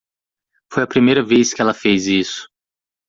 Foi a primeira vez que ela fez isso.